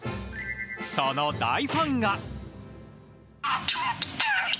その大ファンが。